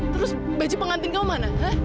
terus baju pengantin kau mana